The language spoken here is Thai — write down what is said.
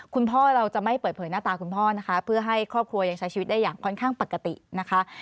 คุณพ่อเราจะไม่เปิดเผยหน้าตาคุณพ่อนะคะเพื่อให้ครอบครัวยังใช้ชีวิตได้อย่างค่อนข้างปกตินะคะ